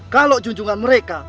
kalau junjungan mereka